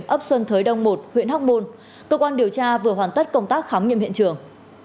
ấp xuân thới đông một huyện hóc môn cơ quan điều tra vừa hoàn tất công tác khám nghiệm hiện trường